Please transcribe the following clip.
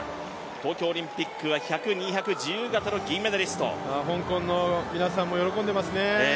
東京オリンピックは１００、２００自由形の銀メダリスト香港の皆さんも喜んでいますね。